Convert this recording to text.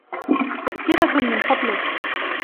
تذكرة من فضلك.